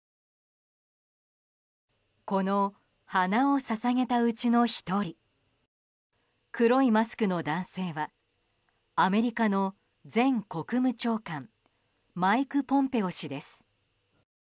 この花を捧げたうちの１人黒いマスクの男性はアメリカの前国務長官マイク・ポンペオ氏です。